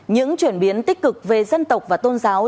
những chuyển biến tích cực về dân tộc và tôn giáo